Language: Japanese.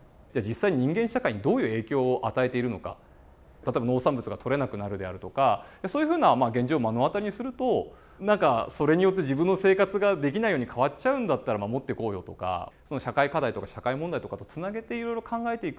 例えば農産物が取れなくなるであるとかそういうふうな現状を目の当たりにすると何かそれによって自分の生活ができないように変わっちゃうんだったら守っていこうよとか社会課題とか社会問題とかとつなげていろいろ考えていく。